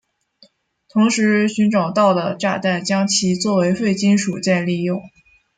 同时寻找到的炸弹将其作为废金属再利用。